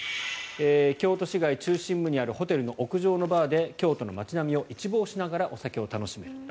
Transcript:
京都市街中心部にあるホテルの屋上のバーで京都の街並みを一望しながらお酒を楽しめる。